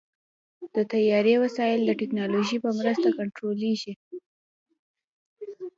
د طیارې وسایل د ټیکنالوژۍ په مرسته کنټرولېږي.